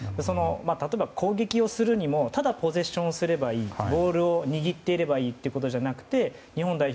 例えば攻撃をするにもただポゼッションをすればいいボールを握っていればいいということじゃなくて日本代表